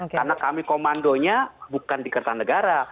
karena kami komandonya bukan di kertanegara